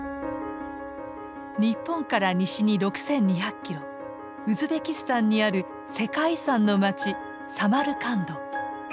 日本から西に６，２００キロウズベキスタンにある世界遺産の街サマルカンド。